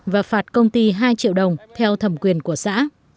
và phạt công ty hai triệu đồng theo thẩm quyền của xã